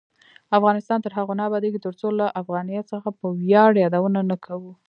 افغانستان تر هغو نه ابادیږي، ترڅو له افغانیت څخه په ویاړ یادونه نه کوو.